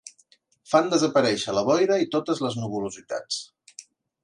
Fan desaparèixer la boira i totes les nuvolositats.